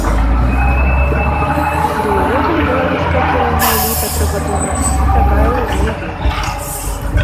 Ды і ўвогуле беларуская кіроўная эліта, трэба думаць, не такая ўжо і бедная.